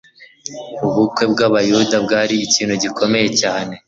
Ubukwe bwa kiyuda bwari ikintu gikomeye cyane